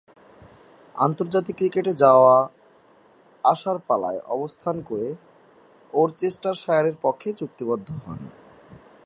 আন্তর্জাতিক ক্রিকেটে আসা-যাওয়ার পালায় অবস্থান করে ওরচেস্টারশায়ারের পক্ষে চুক্তিবদ্ধ হন।